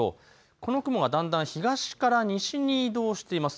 この雲がだんだん東から西に移動しています。